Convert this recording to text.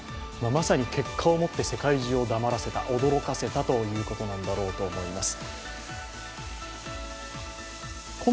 まさに結果を持って世界中を黙らせた驚かせたということなんだろうと思います。